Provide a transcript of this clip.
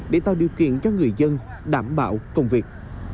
để tạo điều kiện cho người dân đảm bảo công việc